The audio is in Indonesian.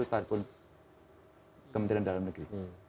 saya telepon kementerian dalam negeri